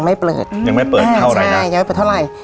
มันดูแซ่บมาก